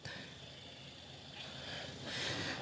ทหารที่เข้าไปปฏิบัติการรวมถึงตำรวจเนี่ยก็ออกมาบ้างบางส่วนแล้วนะฮะคุณผู้ชมครับ